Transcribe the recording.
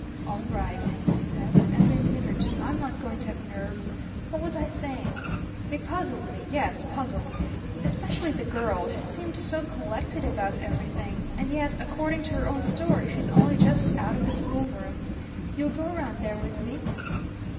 "All right," he said after a minute or two. "I'm not going to have nerves. What was I saying? They puzzled me? Yes, puzzled. Especially the girl; she seemed so collected about everything. And yet, according to her own story, she's only just out of the schoolroom. You'll go round there with me?"